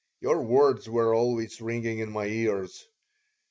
"Your words were always ringing in my ears.